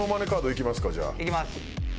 いきます。